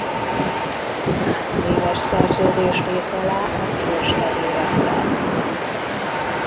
Hároméves szerződést írt alá a piros-fehérekkel.